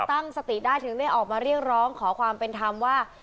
ตั้งสติได้ถึงได้ออกมาเรียกร้องขอความเป็นธรรมว่า